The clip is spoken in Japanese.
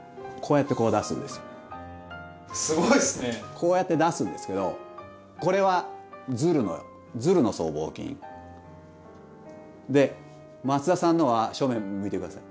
こうやって出すんですけどで松田さんのは正面向いてください。